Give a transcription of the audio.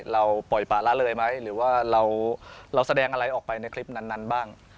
เราปล่อยป่าละเลยไหมหรือว่าเราแสดงอะไรออกไปในคลิปนั้นบ้าง